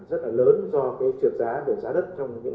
theo điều chỉnh tổng mức đầu tư của dự án tuyến đường tắt tuyến số hai